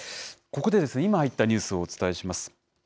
ここで、今入ったニュースをお伝えします。